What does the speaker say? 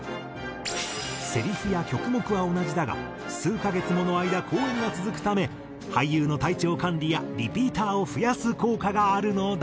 セリフや曲目は同じだが数カ月のもの間公演が続くため俳優の体調管理やリピーターを増やす効果があるのだが。